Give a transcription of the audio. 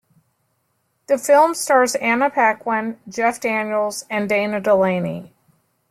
The film stars Anna Paquin, Jeff Daniels and Dana Delany.